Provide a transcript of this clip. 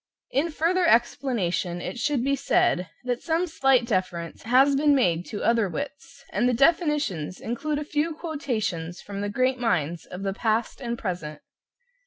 In further explanation it should be said that some slight deference has been made to other wits, and the definitions include a few quotations from the great minds of the past and present.